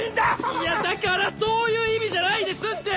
いやだからそういう意味じゃないですって！